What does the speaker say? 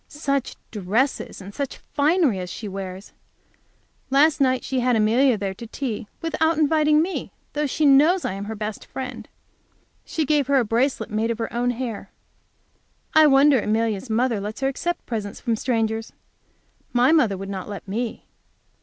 Such dresses and such finery as she wears! Last night she had Amelia there to tea, without inviting me, though she knows I am her best friend. She gave her a bracelet made of her own hair. I wonder Amelia's mother lets her accept presents from strangers. My mother would not let me.